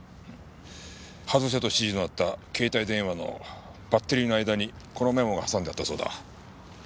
外せと指示のあった携帯電話のバッテリーの間にこのメモが挟んであったそうだ。